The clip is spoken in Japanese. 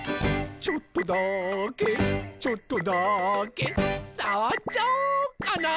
「ちょっとだけちょっとだけさわっちゃおうかな」